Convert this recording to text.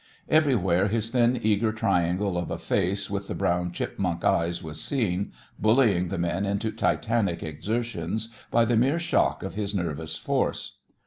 Everywhere his thin eager triangle of a face with the brown chipmunk eyes was seen, bullying the men into titanic exertions by the mere shock of his nervous force.